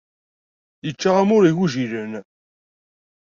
Yečča amur n igujilen.